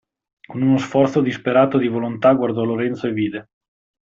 Con uno sforzo disperato di volontà guardò Lorenzo e vide.